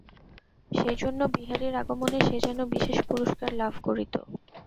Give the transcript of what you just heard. সেইজন্য বিহারীর আগমনে সে যেন বিশেষ পুরষ্কার লাভ করিত।